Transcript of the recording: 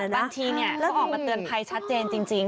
บางทีเขาออกมาเตือนภัยชัดเจนจริง